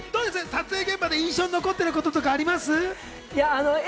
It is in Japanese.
撮影現場で印象に残ってることとかありますか？